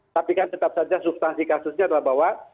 tapi kan tetap saja substansi kasusnya adalah bahwa